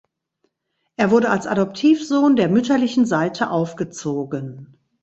Er wurde als Adoptivsohn der mütterlichen Seite aufgezogen.